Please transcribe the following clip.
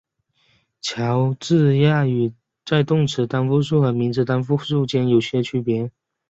乔治亚语在动词单复数和名词单复数间有些区别。